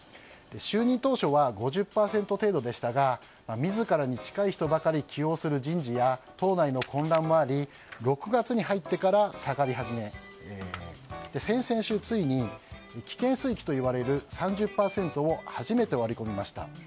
就任当初は５０％程度でしたが自らに近い人ばかり起用する人事や党内の混乱もあり６月に入ってから下がり始め先々週、ついに危険水域といわれる３０％を初めて割り込みました。